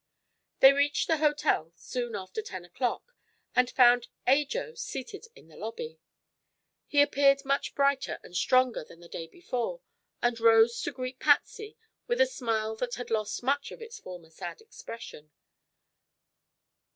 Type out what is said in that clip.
They reached the hotel soon after ten o'clock and found "Ajo" seated in the lobby. He appeared much brighter and stronger than the day before and rose to greet Patsy with a smile that had lost much of its former sad expression.